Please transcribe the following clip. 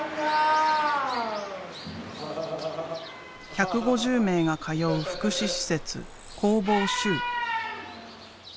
１５０名が通う福祉施設「工房集」。